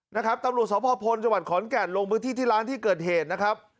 นะครับตำรวจสพพลจังหวัดขอนแก่นลงพื้นที่ที่ร้านที่เกิดเหตุนะครับ